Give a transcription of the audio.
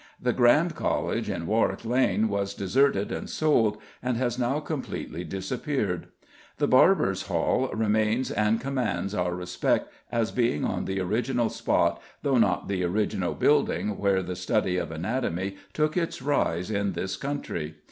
The Grand College in Warwick Lane was deserted and sold, and has now completely disappeared. The Barbers' Hall remains and commands our respect as being on the original spot, though not the original building where the study of anatomy took its rise in this country.